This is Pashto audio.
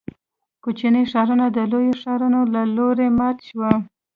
کوچني ښارونه د لویو ښارونو له لوري مات شوي.